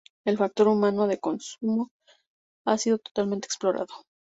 El factor humano de consumo no ha sido totalmente explorado.